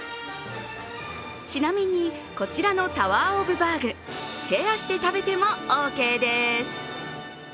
ちなみに、こちらのタワー・オブ・バーグシェアして食べてもオーケーです。